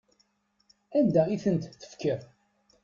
Anda i tent-tefkiḍ?